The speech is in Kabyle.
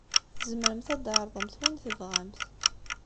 Tzemremt ad d-tɛerḍemt win tebɣamt.